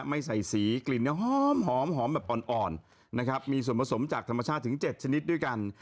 ไม่ใส่สีกลิ่นเนี่ยหอมแบบอ่อนนะครับมีส่วนผสมจากธรรมชาติถึง๗ชนิดด้วยกัน